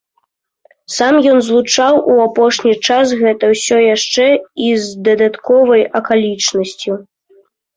Сам ён злучаў у апошні час гэта ўсё яшчэ і з дадатковай акалічнасцю.